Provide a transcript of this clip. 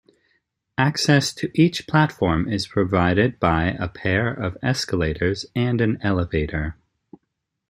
Access to each platform is provided by a pair of escalators and an elevator.